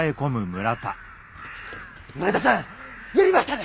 村田さんやりましたね！